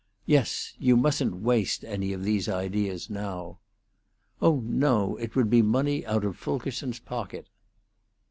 "Yes. You mustn't waste any of these ideas now." "Oh no; it would be money out of Fulkerson's pocket."